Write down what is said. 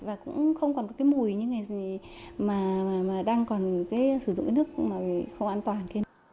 và cũng không còn mùi như thế này mà đang còn sử dụng nước không an toàn